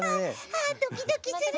あっドキドキする。